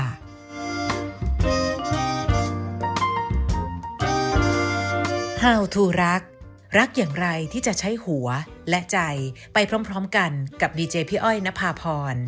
โปรดติดตามตอนต่อไป